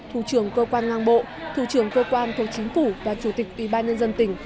thủ trưởng cơ quan ngang bộ thủ trưởng cơ quan công chính phủ và chủ tịch ubnd tỉnh